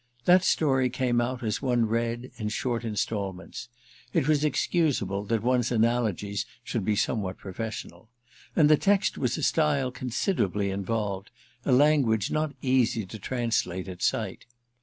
That story came out as one read, in short instalments—it was excusable that one's analogies should be somewhat professional—and the text was a style considerably involved, a language not easy to translate at sight.